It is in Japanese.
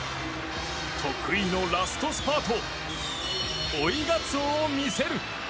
得意のラストスパート追いガツオを見せる。